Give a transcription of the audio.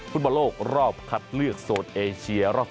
พุทธบรรโลกรอบคัดเลือกโซนเอเชีย